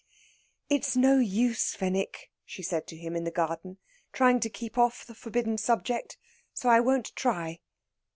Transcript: "It's no use, Fenwick," she said to him in the garden, "trying to keep off the forbidden subject, so I won't try."